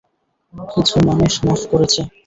কিছু মানুষ মাফ করেছে।